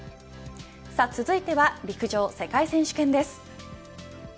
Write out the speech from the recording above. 続いては陸上世界選手権です。